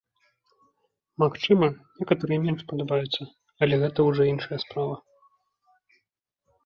Магчыма, некаторыя менш падабаюцца, але гэта ўжо іншая справа.